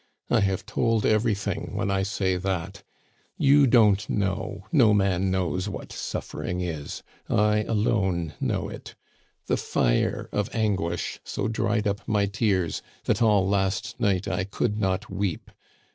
"I have told everything when I say that. You don't know no man knows what suffering is. I alone know it. The fire of anguish so dried up my tears, that all last night I could not weep.